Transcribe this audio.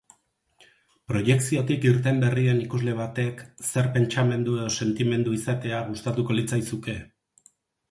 Proiekziotik irten berri den ikusle batek zer pentsamendu edo sentimendu izatea gustatuko litzaizuke?